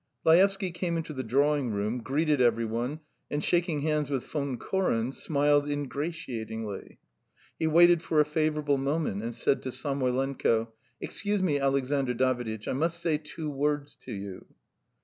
Laevsky came into the drawing room, greeted every one, and shaking hands with Von Koren, smiled ingratiatingly. He waited for a favourable moment and said to Samoylenko: "Excuse me, Alexandr Daviditch, I must say two words to you."